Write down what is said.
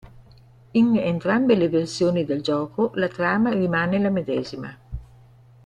In entrambe le versioni del gioco la trama rimane la medesima.